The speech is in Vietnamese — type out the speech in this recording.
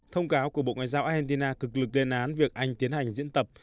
thông báo của bộ ngoại giao hentina cực lực lên án việc anh tiến hành diễn tập